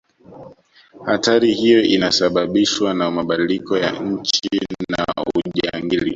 hatari hiyo inasababishwa na mabadiliko ya nchi na ujangili